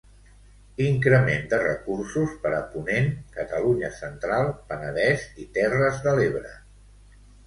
Increment de recursos per a Ponent, Catalunya Central, Penedès i Terres de l'Ebre.